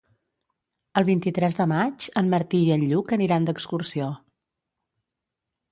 El vint-i-tres de maig en Martí i en Lluc aniran d'excursió.